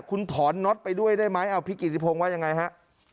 คุณถอนน็อตไปด้วยได้ไหมเอาพี่กิติพงศ์ว่ายังไงฮะ